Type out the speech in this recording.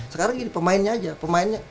sekarang jadi pemainnya aja pemainnya